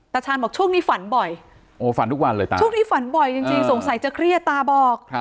ตาชาญบอกช่วงนี้ฝันบ่อยโอ้ฝันทุกวันเลยตาช่วงนี้ฝันบ่อยจริงสงสัยจะเครียดตาบอก